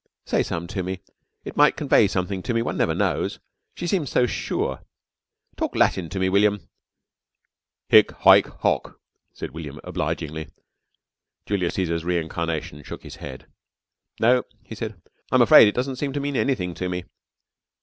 "Say some to me. It might convey something to me. One never knows. She seems so sure. Talk Latin to me, William." "Hic, haec, hoc," said William obligingly. Julius Cæsar's reincarnation shook his head. "No," he said, "I'm afraid it doesn't seem to mean anything to me."